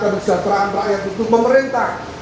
yang berdasarkan rambang yang butuh pemerintah